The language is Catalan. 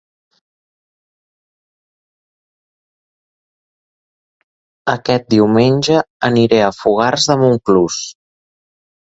Aquest diumenge aniré a Fogars de Montclús